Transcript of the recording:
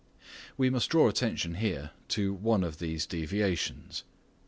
We must draw attention here to one of these deviations.